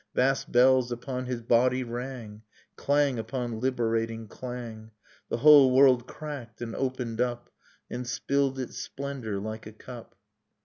Vast bells upon his body rang, Clang upon liberating clang: The whole world cracked and opened up And spilled its splendor like a cup.